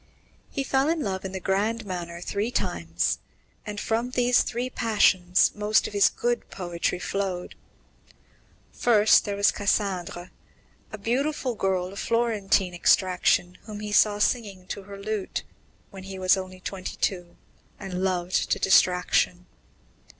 He fell in love in the grand manner three times, and from these three passions most of his good poetry flowed. First there was Cassandre, the beautiful girl of Florentine extraction, whom he saw singing to her lute, when he was only twenty two, and loved to distraction.